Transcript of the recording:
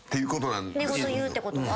寝言言うってことが？